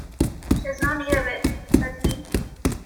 "She has no need of it," said he.